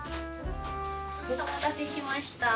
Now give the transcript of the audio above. お待たせしました。